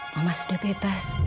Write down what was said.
mama sudah bebas